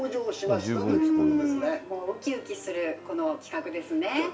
もうウキウキするこの企画ですね